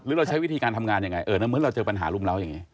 หรือเราใช้วิธีการทำงานยังไงเหมือนเราเจอปัญหารุมแล้วอย่างนี้